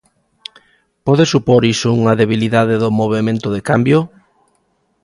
Pode supor iso unha debilidade do movemento de cambio?